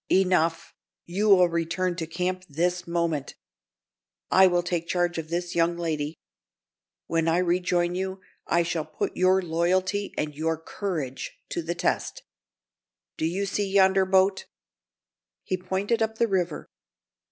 "Enough. You will return to camp this moment. I will take charge of this young lady. When I rejoin you, I shall put your loyalty and your courage to the test. Do you see yonder boat?" He pointed up the river.